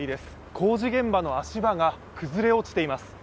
工事現場の足場が崩れ落ちています